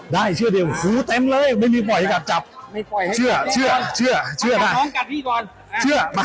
ได้เชื่อเดียวหูเต็มเลยไม่มีปล่อยกับจับไม่ปล่อยเชื่อเชื่อเชื่อเชื่อ